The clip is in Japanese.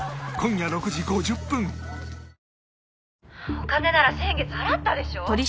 「お金なら先月払ったでしょう？